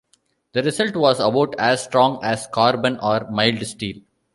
The result was about as strong as carbon or mild steel.